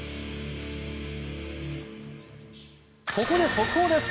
ここで速報です。